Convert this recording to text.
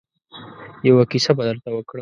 يوه کيسه به درته وکړم.